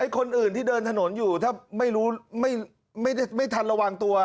คนอื่นที่เดินถนนอยู่ถ้าไม่รู้ไม่ทันระวังตัว